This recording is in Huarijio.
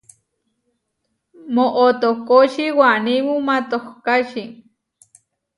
Moʼotókoči wanímu matohkáči.